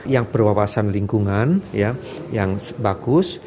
yang berwawasan lingkungan yang bagus